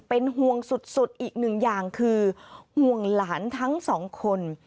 เป็นห่วงสุดอีกหนึ่งอย่างคือห่วงหลานทั้งสองคน